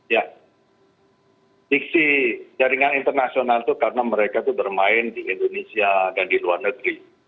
ya diksi jaringan internasional itu karena mereka itu bermain di indonesia dan di luar negeri